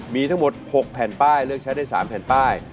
มีทั้งหมด๖แผ่นป้ายเลือกใช้ได้๓แผ่นป้าย